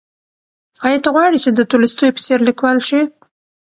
ایا ته غواړې چې د تولستوی په څېر لیکوال شې؟